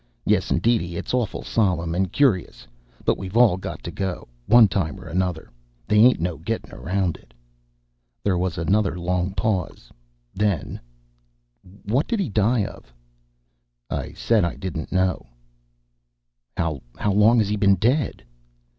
Yes'ndeedy, it's awful solemn and cur'us; but we've all got to go, one time or another; they ain't no getting around it." There was another long pause; then, "What did he die of?" I said I didn't know. "How long has he ben dead?"